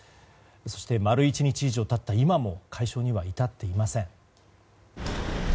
そして丸１日以上経った今も解消には至っていません。